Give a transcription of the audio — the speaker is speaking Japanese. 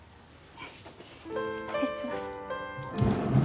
失礼します。